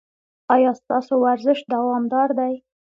ایا ستاسو ورزش دوامدار دی؟